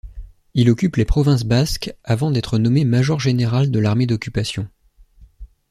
Il occupe les provinces basques avant d'être nommé major-général de l'armée d'occupation.